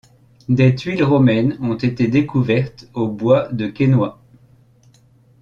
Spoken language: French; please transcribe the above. Des tuiles romaines ont été découvertes au bois de Quesnoy.